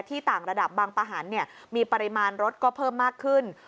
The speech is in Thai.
ต่างระดับบางปะหันมีปริมาณรถก็เพิ่มมากขึ้น